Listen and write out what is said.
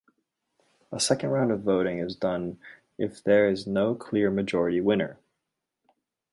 A second round of voting is done if there is no clear majority winner.